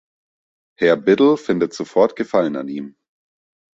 Herr Biddle findet sofort Gefallen an ihm.